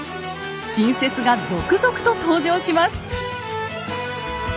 新説が続々と登場します。